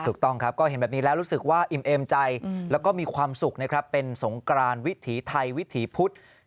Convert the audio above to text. ถูกต้องครับก็เห็นแบบนี้แล้วรู้สึกว่าอิ่มเอมใจแล้วก็มีความสุขนะครับเป็นสงกรานวิถีไทยวิถีพุธ